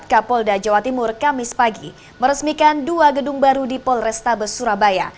kapolda jawa timur kamis pagi meresmikan dua gedung baru di polrestabes surabaya